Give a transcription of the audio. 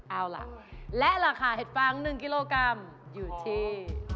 เอาล่ะและราคาเห็ดฟาง๑กิโลกรัมอยู่ที่